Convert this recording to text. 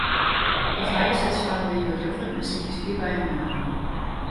As neigesetsje hawwe wy hjoed yochert mei stikjes ierdbei en banaan.